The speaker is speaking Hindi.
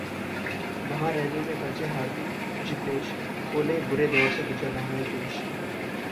महारैली में गरजे हार्दिक-जिग्नेश, बोले- बुरे दौर से गुजर रहा है देश